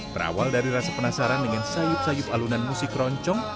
berawal dari rasa penasaran dengan sayup sayup alunan musik keroncong